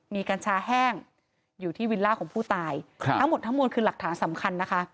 มีกัญชาแห้งอยู่ที่วิลล่าของผู้ตายทั้งหมดทั้งมวลคือหลักฐานสำคัญนะคะ